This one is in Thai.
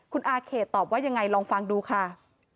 คุณอาเขตตอบว่ายังไงลองฟังดูค่ะ